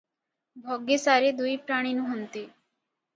ଭଗି ସାରୀ ଦୁଇପ୍ରାଣୀ ନୁହଁନ୍ତି ।